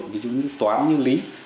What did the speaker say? ví dụ như toán như lý